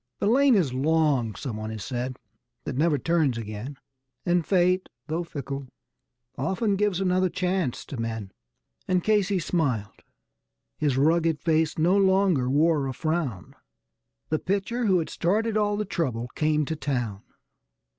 The lane is long, someone has said, that never turns again, And Fate, though fickle, often gives another chance to men. And Casey smiled his rugged face no longer wore a frown; The pitcher who had started all the trouble came to town.